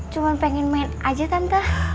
cuma pengen main aja tante